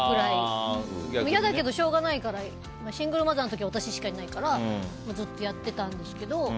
いやだけどしょうがないからシングルマザーの時は私しかいないからずっとやってたんですけど。